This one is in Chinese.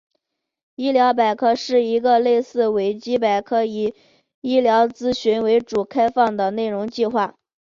医疗百科是一个类似维基百科以医疗资讯为主的开放内容计划。